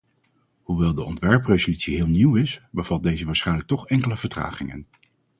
Hoewel de ontwerpresolutie heel nieuw is, bevat deze waarschijnlijk toch enkele vertragingen.